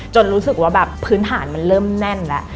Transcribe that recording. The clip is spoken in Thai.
รู้สึกว่าแบบพื้นฐานมันเริ่มแน่นแล้ว